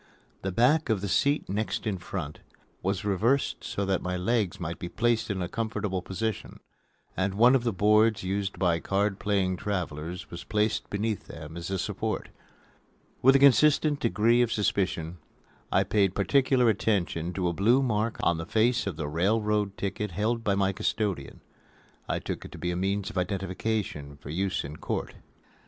The back of the seat next in front was reversed so that my legs might be placed in a comfortable position, and one of the boards used by card playing travelers was placed beneath them as a support. With a consistent degree of suspicion I paid particular attention to a blue mark on the face of the railroad ticket held by my custodian. I took it to be a means of identification for use in court.